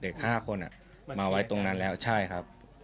๕คนมาไว้ตรงนั้นแล้วใช่ครับ